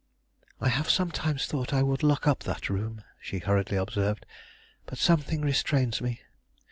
"I have sometimes thought I would lock up that room," she hurriedly observed; "but something restrains me.